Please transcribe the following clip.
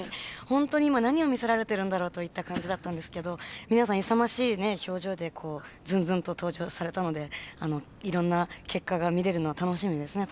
ホントに今何を見せられてるんだろうといった感じだったんですけど皆さん勇ましいね表情でずんずんと登場されたのでいろんな結果が見れるの楽しみですね